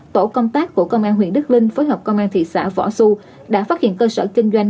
tổ công tác của công an huyện đức linh phối hợp công an thị xã võ xu đã phát hiện cơ sở kinh doanh